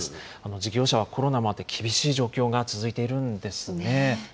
事業者はコロナまで厳しい状況が続いているんですね。